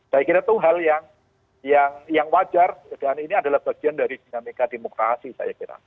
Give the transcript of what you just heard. saya kira itu hal yang wajar dan ini adalah bagian dari dinamika demokrasi saya kira